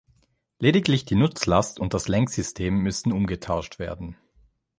Lediglich die Nutzlast und das Lenksystem müssten umgetauscht werden.